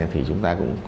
thì chúng ta cũng